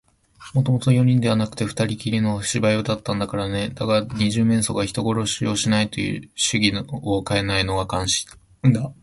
もともと四人ではなくて、ふたりきりのお芝居だったんだからね。だが、二十面相が人殺しをしないという主義をかえないのは感心だ。